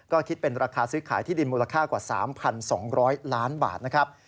ก็คิดเป็นราคาซื้อขายที่ดินมูลค่ากว่า๓๒๐๐ล้านบาทนะครับ